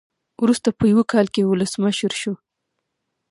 وروسته په یو کال کې ولسمشر شو.